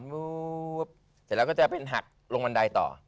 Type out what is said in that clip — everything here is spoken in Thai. วูบเสร็จแล้วก็จะเป็นหักลงบันไดต่อ